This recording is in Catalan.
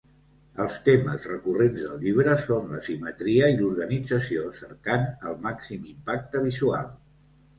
Els temes recurrents del llibre són la simetria i l'organització cercant el màxim impacte visual.